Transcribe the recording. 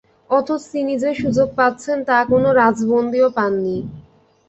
অথচ তিনি যে সুযোগ পাচ্ছেন, তা কোনো রাজবন্দীও পাননি।